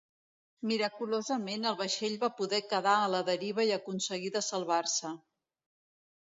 Miraculosament el vaixell va poder quedar a la deriva i aconseguí de salvar-se.